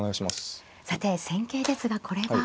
さて戦型ですがこれは。